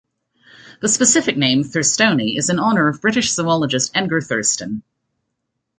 The specific name, "thurstoni", is in honor of British zoologist Edgar Thurston.